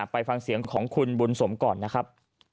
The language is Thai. ไปฟังเสียงของคุณบุญสมก่อนนะครับ